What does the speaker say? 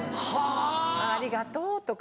「ありがとう」とか。